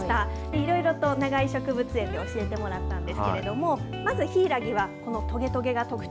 いろいろと、長居植物園で教えてもらったんですけれども、まずヒイラギは、このとげとげが特徴。